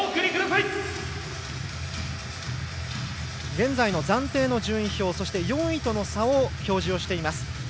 現在の暫定順位表そして４位との差を表示しています。